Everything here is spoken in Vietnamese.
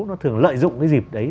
nó thường lợi dụng cái dịp đấy